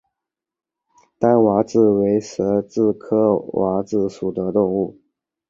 单蛙蛭为舌蛭科蛙蛭属的动物。